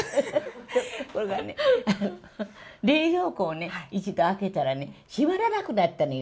それがね、冷蔵庫をね、一度開けたらね、閉まらなくなったのよ。